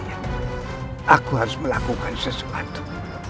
aku harus melakukan sesuatu